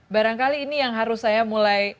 barangkali ini yang harus saya mulai